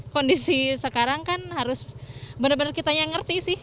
kondisi sekarang kan harus benar benar kita yang ngerti sih